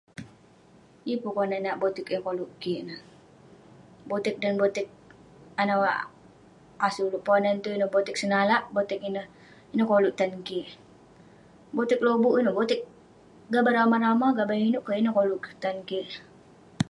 Yeng pun konak nat botek eh koluk kik ineh..botek..dan botek anah asen ulouk ponan itouk ineh, botek senalak..botek ineh koluk tan kik ..botek lobuk ineh, botek gaban rama rama..gaban inouk keh..ineh koluk tan kik..